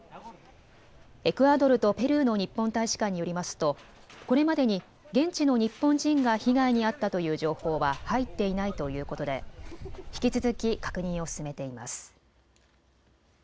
エクアドルとペルーの日本大使館によりますとこれまでに現地の日本人が被害に遭ったという情報は入っていないということで引き続き確認を進めています。